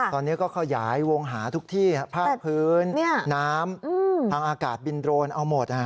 ตอนนี้ก็ขยายวงหาทุกที่ภาคพื้นน้ำทางอากาศบินโรนเอาหมด